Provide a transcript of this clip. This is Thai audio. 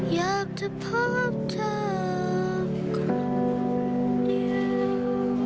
อยากจะพบเธอคนเดียว